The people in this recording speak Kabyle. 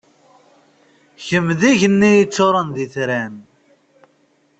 Kemm d igenni yeččuṛen d itran.